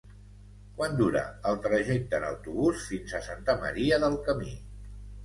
Quant dura el trajecte en autobús fins a Santa Maria del Camí?